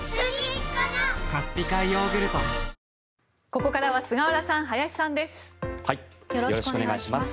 ここからは菅原さん、林さんです。